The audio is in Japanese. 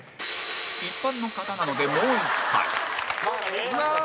一般の方なので、もう１回松尾：いきます！